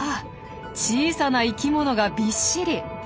小さな生きものがびっしり！